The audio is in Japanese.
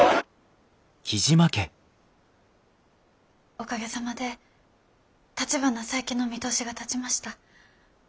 おかげさまでたちばな再建の見通しが立ちました。